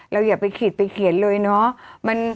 อย่าไปขีดไปเขียนเลยเนาะ